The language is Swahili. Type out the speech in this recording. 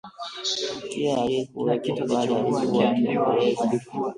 Kila aliyekuwepo pale alikuwa akiomboleza